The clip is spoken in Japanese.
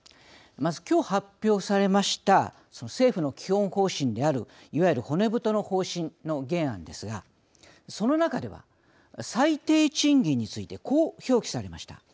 まず、きょう発表されました政府の基本方針であるいわゆる骨太の方針の原案ですがその中では、最低賃金についてこう表記されました。